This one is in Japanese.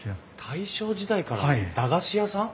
大正時代からの駄菓子屋さん？